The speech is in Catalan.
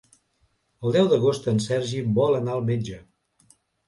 El deu d'agost en Sergi vol anar al metge.